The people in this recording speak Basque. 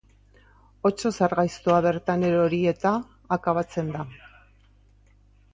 Otso tzar gaiztoa bertan erori eta akabatzen da.